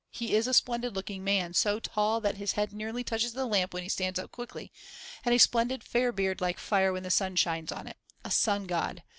He is a splendid looking man, so tall that his head nearly touches the lamp when he stands up quickly, and a splendid fair beard like fire when the sun shines on it; a Sun God!